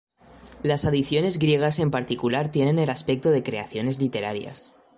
Las adiciones griegas en particular tienen el aspecto de creaciones literarias.